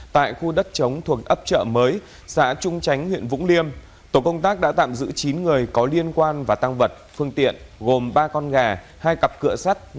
tổng công tác đã tạm giữ chín người có liên quan và tăng vật phương tiện gồm ba con gà hai cặp cửa sắt